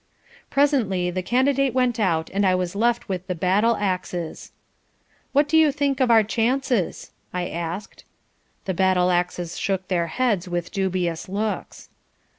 Presently the Candidate went out and I was left with the battle axes. "What do you think of our chances?" I asked. The battle axes shook their heads with dubious looks.